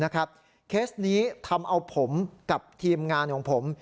เคสนี้ทำเอาผมกับทีมงานของผม